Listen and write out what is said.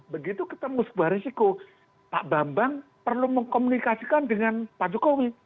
begitu ketemu sebuah risiko pak bambang perlu mengkomunikasikan dengan pak jokowi